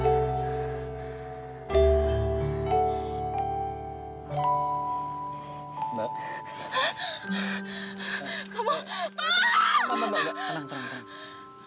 enggak enggak tenang tenang